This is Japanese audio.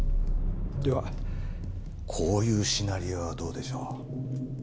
ではこういうシナリオはどうでしょう？